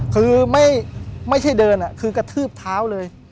คือไม่ใช่เดินคือกระทืบเท้าเลย